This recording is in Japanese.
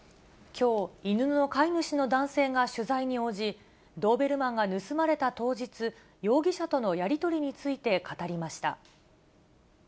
きょう、犬の飼い主の男性が取材に応じ、ドーベルマンが盗まれた当日、容疑者とのやり取りについて語りました。